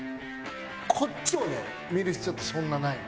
こっちをね見る必要ってそんなないの。